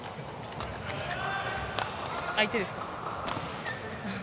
相手ですか？